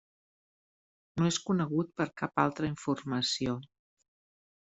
No és conegut per cap altra informació.